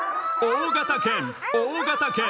大型犬大型犬。